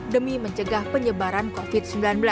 demi mencegah penyebaran covid sembilan belas